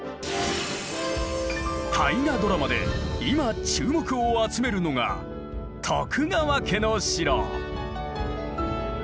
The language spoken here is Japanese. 大河ドラマで今注目を集めるのが徳川家の城。